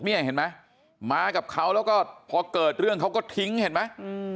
นี่เห็นไหมมากับเขาแล้วก็พอเกิดเรื่องเขาก็ทิ้งเห็นไหม